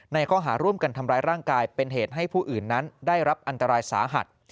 ข้อหาร่วมกันทำร้ายร่างกายเป็นเหตุให้ผู้อื่นนั้นได้รับอันตรายสาหัส